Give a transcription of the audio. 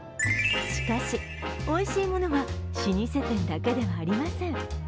しかし、おいしいものは老舗店だけではありません。